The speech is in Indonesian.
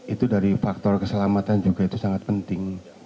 itu dari faktor keselamatan juga itu sangat penting